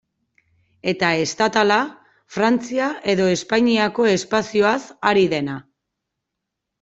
Eta estatala, Frantzia edo Espainiako espazioaz ari dena.